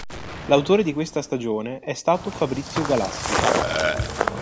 L'autore di questa stagione è stato Fabrizio Galassi.